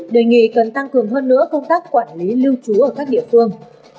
đề nghị cần tăng cường hơn nữa công tác quản lý lưu trú ở các địa phương